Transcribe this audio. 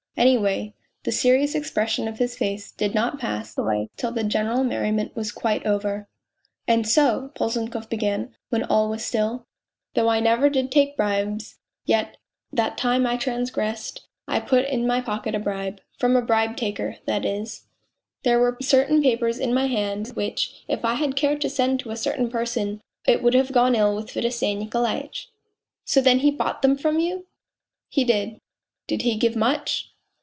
... Any way, the serious expression of his face did not pass away till the general merriment was quite ov r. " And so," Polzunkov began again when all was still, " though POLZUNKOV 213 I never did take bribes, yet that time I transgressed; I put in my pocket a bribe ... from a bribe taker ... that is, there were certain papers in my hands which, if I had cared to send to a certain person, it would have gone ill with Fedosey Nikolaitch." " So then he bought them from you ?"" He did." " Did he give much